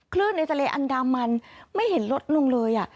ในทะเลอันดามันไม่เห็นลดลงเลย